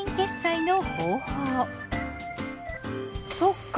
そっか。